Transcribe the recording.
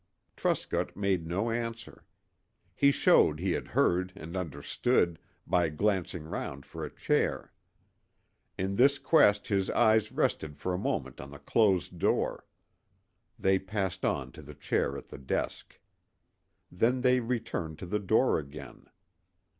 Truscott made no answer. He showed he had heard and understood by glancing round for a chair. In this quest his eyes rested for a moment on the closed door. They passed on to the chair at the desk. Then they returned to the door again.